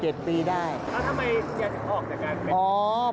แล้วทำไมอยากจะออกจากการเบน